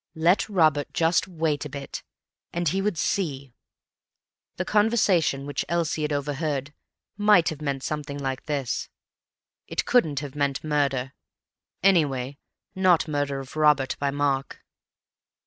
Let Robert just wait a bit, and he would see. The conversation which Elsie had overheard might have meant something like this. It couldn't have meant murder. Anyway not murder of Robert by Mark.